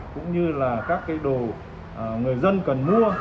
cũng như là các cái đồ người dân cần mua